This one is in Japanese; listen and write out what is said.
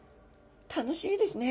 楽しみですね。